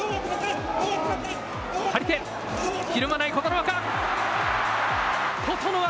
張り手、ひるまない琴ノ若。